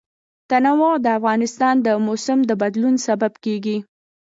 تنوع د افغانستان د موسم د بدلون سبب کېږي.